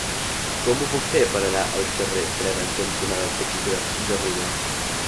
Com ho puc fer per anar al carrer Breda cantonada Taquígraf Garriga?